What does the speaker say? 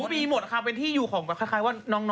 มีหมดค่ะเป็นที่อยู่ของแบบคล้ายว่าน้อง